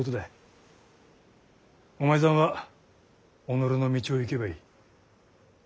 お前さんは己の道を行けばいい。